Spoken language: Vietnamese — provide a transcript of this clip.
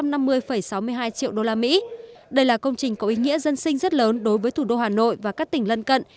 đây là công trình có ý nghĩa dân sinh rất lớn đối với thủ đô hà nội và các tỉnh lân cận